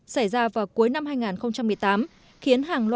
xảy ra vào cuối năm hai nghìn một mươi tám